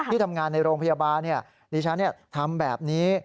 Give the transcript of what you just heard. ที่ทำงานในโรงพยาบาลดิฉันทำแบบนี้